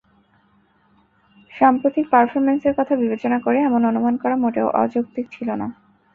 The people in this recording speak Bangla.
সাম্প্রতিক পারফরম্যান্সের কথা বিবেচনা করে এমন অনুমান করা মোটেও অযৌক্তিক ছিল না।